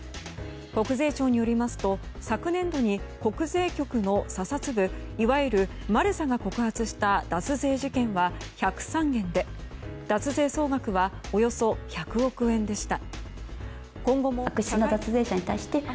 国税庁によりますと昨年度に国税局の査察部いわゆるマルサが告発した脱税事件は１０３件で脱税総額はおよそ１００億円でした。